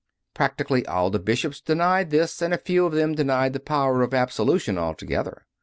Practically all the Bishops denied this, and a few of them denied the power of absolution altogether.